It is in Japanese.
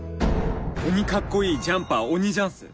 「鬼かっこいいジャンパー鬼ジャン」っす。